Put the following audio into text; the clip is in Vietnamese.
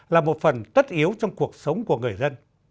là một phần tất yếu trong cuộc sống của người dân